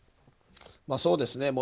そうですね。